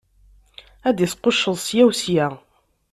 Ad d-isqucceḍ sya u sya.